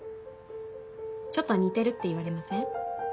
ちょっと似てるって言われません？